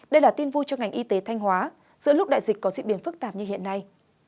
đây là tin vui cho ngành y tế thanh hóa giữa lúc đại dịch có diễn biến phức tạp như hiện nay